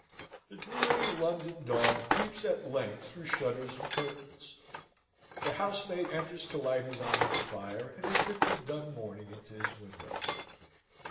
The dreary London dawn peeps at length through shutters and curtains. The housemaid enters to light his honour's fire and admit the dun morning into his windows.